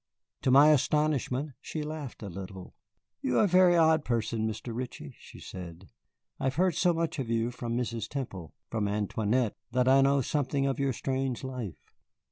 To my astonishment, she laughed a little. "You are a very odd person, Mr. Ritchie," she said. "I have heard so much of you from Mrs. Temple, from Antoinette, that I know something of your strange life.